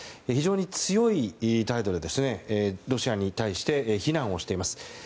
非常に強い態度でロシアに対して非難をしています。